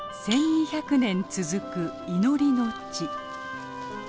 １，２００年続く祈りの地。